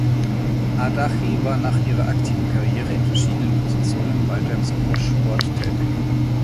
Adachi war nach ihrer aktiven Karriere in verschiedenen Positionen weiter im Squashsport tätig.